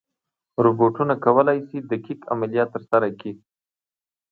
روبوټونه کولی شي دقیق عملیات ترسره کړي.